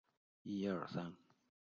贩售高阶电器用品